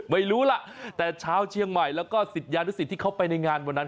ไม่รู้ล่ะแต่ชาวเชียงใหม่แล้วก็ศิษยานุสิตที่เขาไปในงานวันนั้น